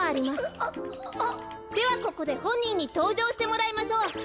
ではここでほんにんにとうじょうしてもらいましょう。